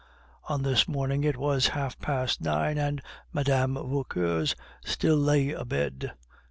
On this morning it was half past nine, and Mme. Vauquer still lay abed.